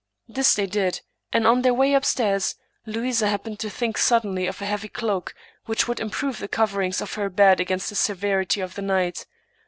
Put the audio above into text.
This they did ; and, on their way upstairs, Louisa happened to think suddenly of a heavy cloak, which would improve the coverings of her bed against the severity of the night.